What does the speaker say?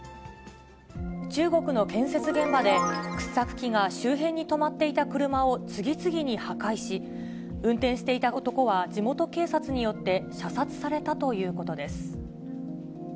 中国の建設現場で、掘削機が周辺に止まっていた車を次々に破壊し、運転していた男は地元警察によって射殺されたということです。